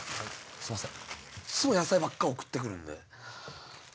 すいません。